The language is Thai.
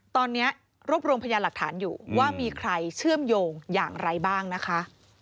ตอนนี้รวบรวมพยานหลักฐานอยู่ว่ามีใครเชื่อมโยงอย่างไรบ้างนะคะ